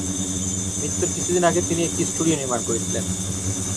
মৃত্যুর কিছুদিন আগে তিনি একটি স্টুডিও নির্মাণ করেছিলেন।